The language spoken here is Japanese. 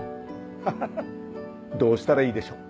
ハハハどうしたらいいでしょう？